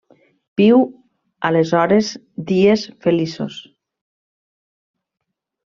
Viu aleshores dies feliços.